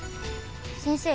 先生